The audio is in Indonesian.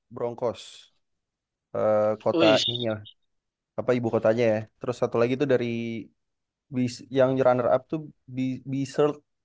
broncos kota ini lah apa ibu kotanya ya terus satu lagi itu dari yang runner up itu bizerd